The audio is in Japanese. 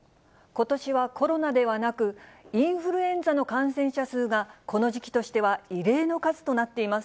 ことしはコロナではなく、インフルエンザの感染者数がこの時期としては異例の数となっています。